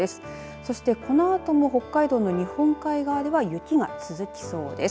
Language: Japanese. そして、このあとも北海道の日本海側では雪が続きそうです。